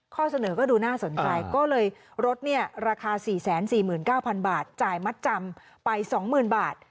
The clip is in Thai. ข้อเสนอก็ดูน่าสนใจก็เลยรถราคา๔๔๙๐๐บาทจ่ายมัดจำไป๒๐๐๐บาท